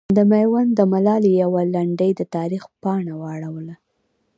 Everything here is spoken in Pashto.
د میوند د ملالې یوه لنډۍ د تاریخ پاڼه واړوله.